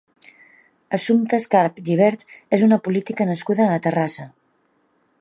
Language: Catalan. Assumpta Escarp Gibert és una política nascuda a Terrassa.